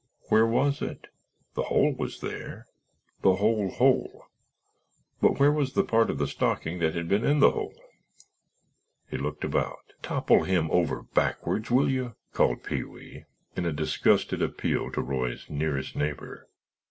Where was it? The hole was there—the whole hole; but where was the part of the stocking that had been in the hole? He looked about." "Topple him over backwards, will you!" called Pee wee, in a disgusted appeal to Roy's nearest neighbor.